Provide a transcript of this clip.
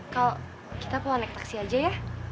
kal kita pulang naik taksi aja ya